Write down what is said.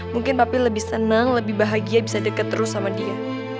mungkin papi lebih senang lebih bahagia bisa deket terus sama dia